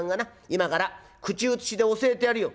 今から口うつしで教えてやるよ」。